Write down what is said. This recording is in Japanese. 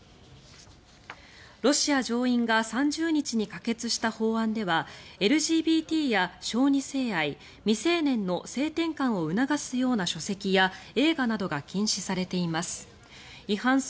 ロシア上院が３０日に可決した法案ではＬＧＢＴや小児性愛未成年の性転換を促すような書籍や映画などが禁止されています。